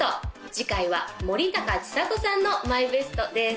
次回は森高千里さんのＭＹＢＥＳＴです